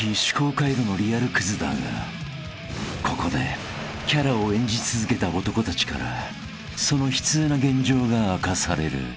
回路のリアルクズだがここでキャラを演じ続けた男たちからその悲痛な現状が明かされる］